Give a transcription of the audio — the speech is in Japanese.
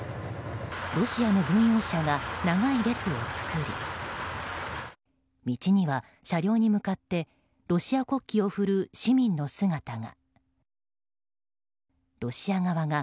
ロシアの軍用車が長い列を作り道には車両に向かってロシア国旗を振る市民の姿が。